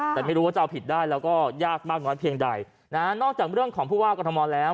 แต่ไม่รู้ว่าจะเอาผิดได้แล้วก็ยากมากน้อยเพียงใดนะฮะนอกจากเรื่องของผู้ว่ากรทมแล้ว